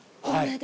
はい。